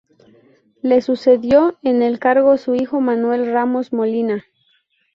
Le sucedió en el cargo su hijo Manuel Ramos Molina.